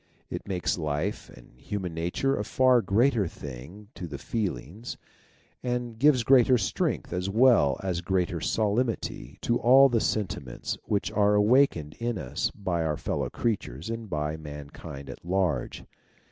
It makes life and human nature a far greater thing to the feelings, and gives greater strength as well as greater solemnity to all the sentiments which are awakened in us by our fellow creatures and by mankind at large.